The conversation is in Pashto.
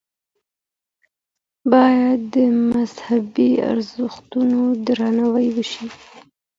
باید د مذهبي ارزښتونو درناوی وشي.